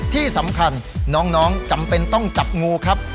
ที่สำคัญน้องจำเป็นต้องจับงูครับ